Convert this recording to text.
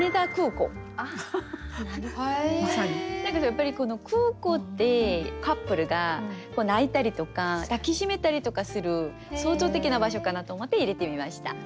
やっぱり空港ってカップルが泣いたりとか抱き締めたりとかする象徴的な場所かなと思って入れてみました。